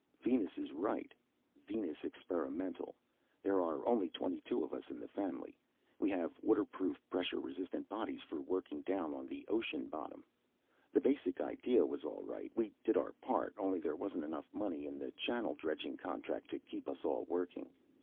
"Venus is right, Venus Experimental there are only twenty two of us in the family. We have waterproof, pressure resistant bodies for working down on the ocean bottom. The basic idea was all right, we did our part, only there wasn't enough money in the channel dredging contract to keep us all working.